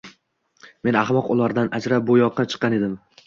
— Men ahmoq ulardan ajrab, bu yoqqa chiqqan edim.